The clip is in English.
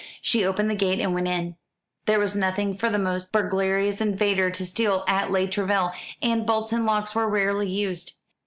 She opened the gate and went in. There was nothing for the most burglarious invader to steal at Les Tourelles, and bolts and locks were rarely used.